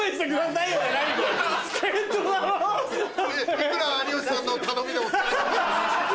いくら有吉さんの頼みでも。